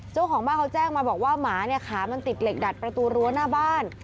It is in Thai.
เจ้าของบ้านเขาแจ้งมาบอกว่าหมาเนี่ยขามันติดเหล็กดัดประตูรั้วหน้าบ้าน